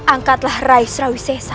angkatlah raih seru sesa